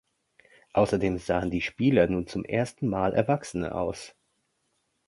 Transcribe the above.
Außerdem sahen die Spieler nun zum ersten Mal „erwachsener“ aus.